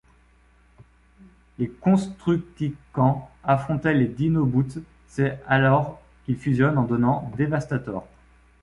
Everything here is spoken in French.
Les Constructicans affrontaient les Dinobots, c'est alors qu'ils fusionnent en donnant Devastator.